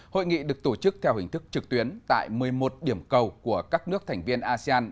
hội nghị được tổ chức theo hình thức trực tuyến tại một mươi một điểm cầu của các nước thành viên asean